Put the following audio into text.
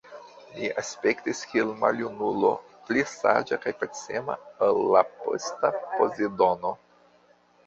Li aspektis kiel maljunulo, pli saĝa kaj pacema ol la posta Pozidono.